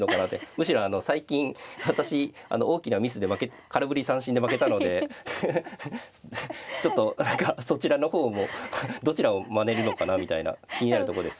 むしろ最近私大きなミスで空振り三振で負けたのでちょっと何かそちらの方もどちらをまねるのかなみたいな気になるとこです。